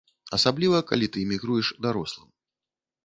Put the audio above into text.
Асабліва калі ты імігруеш дарослым.